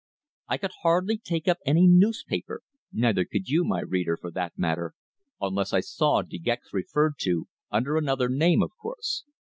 I could hardly take up any newspaper neither could you, my reader, for that matter unless I saw De Gex referred to, under another name, of course.